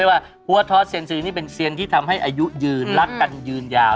ว่าหัวทอสเซียนซีนี่เป็นเซียนที่ทำให้อายุยืนรักกันยืนยาว